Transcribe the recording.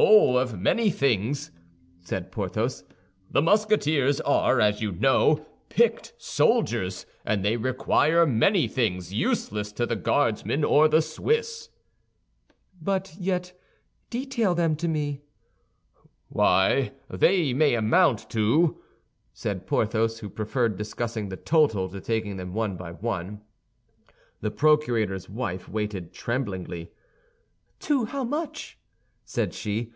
"Oh, of many things!" said Porthos. "The Musketeers are, as you know, picked soldiers, and they require many things useless to the Guardsmen or the Swiss." "But yet, detail them to me." "Why, they may amount to—", said Porthos, who preferred discussing the total to taking them one by one. The procurator's wife waited tremblingly. "To how much?" said she.